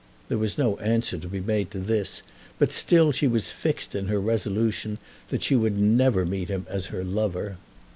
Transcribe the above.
There was no answer to be made to this, but still she was fixed in her resolution that she would never meet him as her lover.